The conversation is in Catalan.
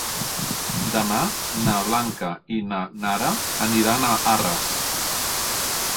Demà na Blanca i na Nara aniran a Arres.